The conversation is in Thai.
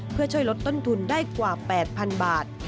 เพื่อช่วยลดต้นทุนได้กว่า๘๐๐๐บาท